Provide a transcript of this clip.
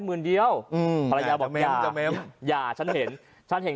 หมื่นเดียวอืมภรรยาบอกยังจะเม้มอย่าฉันเห็นฉันเห็น